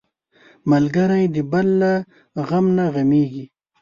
ملګری د بل له غم نه غمېږي